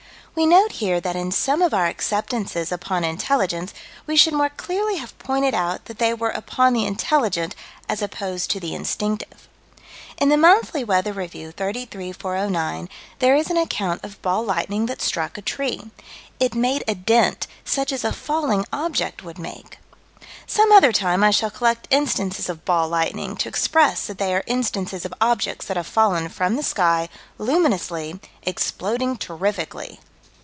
We note here that in some of our acceptances upon intelligence we should more clearly have pointed out that they were upon the intelligent as opposed to the instinctive. In the Monthly Weather Review, 33 409, there is an account of "ball lightning" that struck a tree. It made a dent such as a falling object would make. Some other time I shall collect instances of "ball lightning," to express that they are instances of objects that have fallen from the sky, luminously, exploding terrifically.